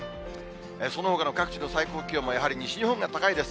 そのほかの各地の最高気温もやはり西日本が高いです。